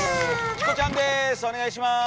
チコちゃんです